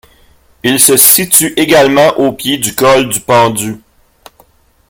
Il se situe également au pied du col du Pendu.